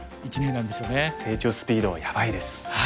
成長スピードがやばいです。